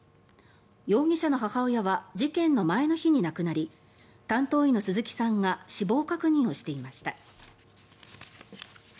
容疑者の母親は事件の前の日に亡くなり担当医の鈴木さんが死亡確認をしていました。